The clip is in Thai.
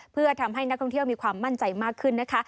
เพื่อทำให้นักท่องเที่ยวมีความมั่นใจมากขึ้นนะคะ